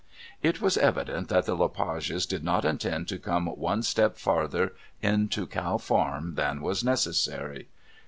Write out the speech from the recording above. It was evident that the Le Pages did not intend to come one step farther into Cow Farm than was necessary.